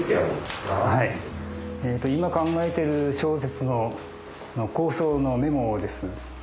はい今考えてる小説の構想のメモです。